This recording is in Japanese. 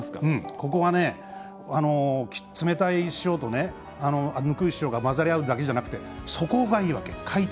ここは、冷たい潮とぬくい潮が混ざり合うだけじゃなくて底がいいわけ。